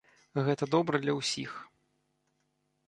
Гэта добра для ўсіх.